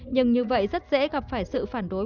nhưng như vậy rất dễ gặp phải sự phản đối